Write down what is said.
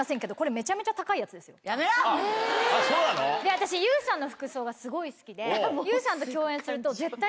私ＹＯＵさんの服装がすごい好きでＹＯＵさんと共演すると絶対。